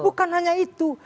bukan hanya itu